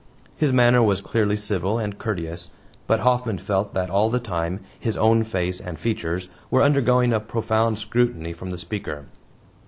His manner was clearly civil and courteous, but Hoffman felt that all the time his own face and features were undergoing a profound scrutiny from the speaker.